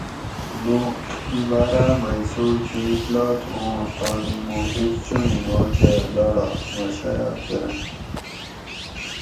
نوٹ : ایں باراۤ مئ سوئ کہ اِطلاع تھوؤں تانی موقف چُنڑی ماکہ لاڑا مہ شایٔع کۤرنت